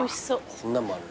こんなんもある。